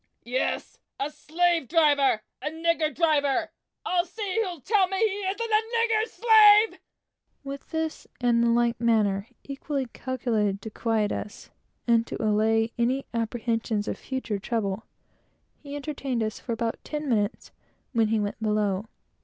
Yes, a slave driver a negro driver! I'll see who'll tell me he isn't a negro slave!" With this and the like matter, equally calculated to quiet us, and to allay any apprehensions of future trouble, he entertained us for about ten minutes, when he went below.